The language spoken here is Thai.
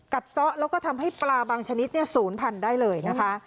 ซ้อแล้วก็ทำให้ปลาบางชนิดศูนย์พันธุ์ได้เลยนะคะ